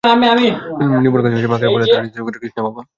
নিপুণ হাতে খেজাব মাখানোর ফলে তাঁর ধূসরিম চুলে এসেছে গাঢ় কৃষ্ণাভ আভা।